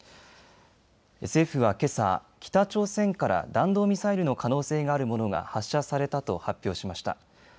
政府はけさ、北朝鮮から弾道ミサイルの可能性があるものが発射されたと発表しました。